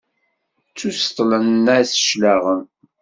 Ttuseṭṭlen-as cclaɣem.